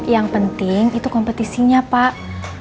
yang penting itu kompetisinya pak